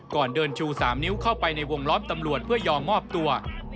ก่อนเดินชู๓นิ้วเข้าไปในวงล้อมตำรวจเพื่อยอมมอบตัว